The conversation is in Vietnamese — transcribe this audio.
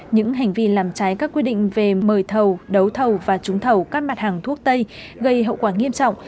những hành vi làm trái các quy định về mời thầu đấu thầu và trúng thầu các mặt hàng thuốc tây gây hậu quả nghiêm trọng